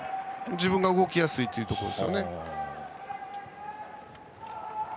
自分が動きやすいところです。